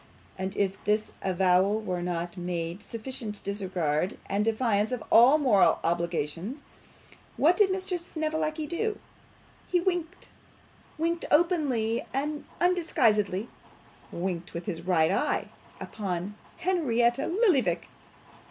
And as if this avowal were not made in sufficient disregard and defiance of all moral obligations, what did Mr. Snevellicci do? He winked winked openly and undisguisedly; winked with his right eye upon Henrietta Lillyvick!